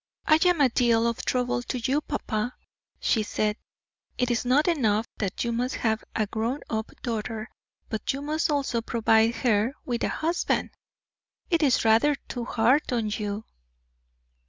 "I am a deal of trouble to you, papa," she said. "It is not enough that you must have a grown up daughter, but you must also provide her with a husband! It is rather too hard on you."